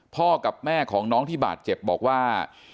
พ่อกับแม่ของน้องที่บาดเจ็บบอกว่า